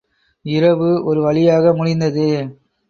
இரவு ஒரு வழியாக முடிந்தது.